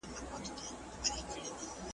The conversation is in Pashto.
درته موسکی به وي نامرده رقیب ,